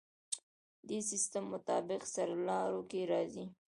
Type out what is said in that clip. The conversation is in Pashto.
دې سیستم مطابق سرلارو کې راځي.